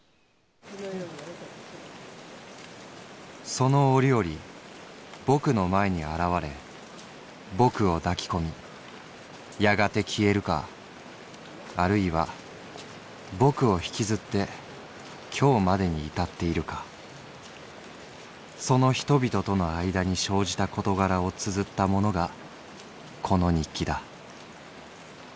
「その折々ぼくの前に現れぼくを抱き込みやがて消えるかあるいはぼくを引きずって今日までに至っているかその人々との間に生じた事柄を綴ったものがこの日記だ。